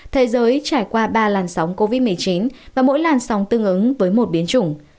thế giới trải qua ba làn sóng covid một mươi chín và mỗi làn sóng tương ứng với một biến chủng